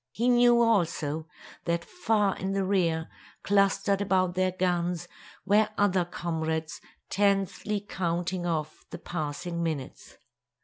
He knew, also, that far in the rear, clustered about their guns, were other comrades tensely counting off the passing minutes.